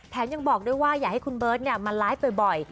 ยังบอกด้วยว่าอย่าให้คุณเบิร์ตมาไลฟ์บ่อย